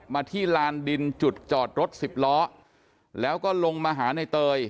ที่ลานดินจุดจอดรถสิบล้อแล้วก็ลงมาหาในเตย